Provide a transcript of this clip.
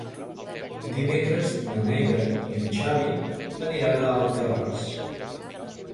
Dimecres na Neida i en Xavi aniran a Alcarràs.